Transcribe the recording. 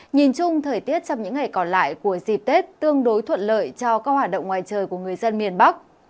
nhìn chung thời tiết trong những ngày còn lại của dịp tết tương đối thuận lợi cho các hoạt động ngoài trời của người dân miền bắc